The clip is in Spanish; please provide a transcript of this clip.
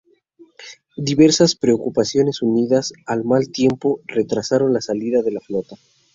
Diversas preocupaciones unidas al mal tiempo retrasaron la salida de la flota.